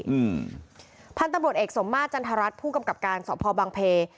อืมพันตบริเวณเอกสมมาทจันทรัศน์ผู้กำกับการสอบพอบางเพลย์